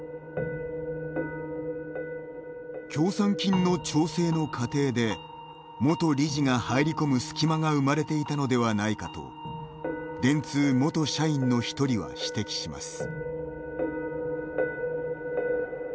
協賛金の調整の過程で元理事が入り込む隙間が生まれていたのではないかと電通元社員の一人は指摘します。